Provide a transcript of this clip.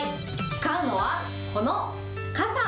使うのは、この傘。